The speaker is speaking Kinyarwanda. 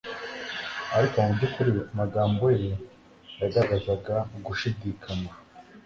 ariko mu by'ukuri amagambo ye yagaragazaga ugushidikanya.